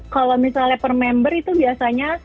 kalau misalnya per member itu biasanya